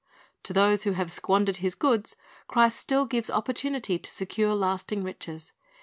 ''^ To those who have squandered His goods, Christ still gives opportunity to secure lasting riches.